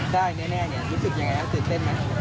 ได้แน่เนี่ยรู้สึกยังไงนะตื่นเต้นไหม